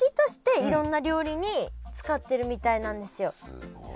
すごい。